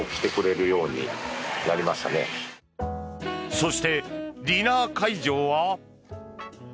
そして、ディナー会場は。